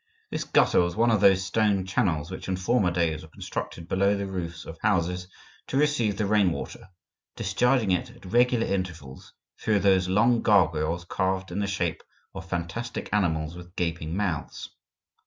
This gutter was one of those stone channels which in former days were constructed below the roofs of houses to receive the rain water, discharging it at regular intervals through those long gargoyles carved in the shape of fantastic animals with gaping mouths.